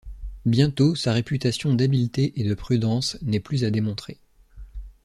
Bientôt sa réputation d'habileté et de prudence n'est plus à démontrer.